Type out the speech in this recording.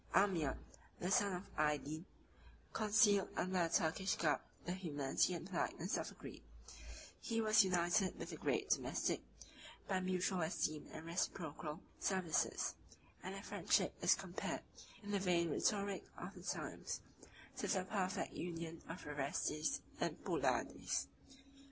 Amir, the son of Aidin, concealed under a Turkish garb the humanity and politeness of a Greek; he was united with the great domestic by mutual esteem and reciprocal services; and their friendship is compared, in the vain rhetoric of the times, to the perfect union of Orestes and Pylades.